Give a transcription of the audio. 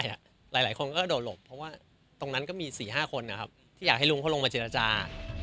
หลายคนก็โดดหลบเพราะว่าตรงนั้นก็มี๔๕คนที่อยากให้ลุงเขาลงมาเจรจา